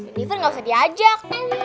jennifer ga usah diajak